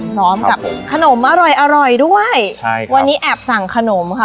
พร้อมกับขนมอร่อยอร่อยด้วยใช่วันนี้แอบสั่งขนมค่ะ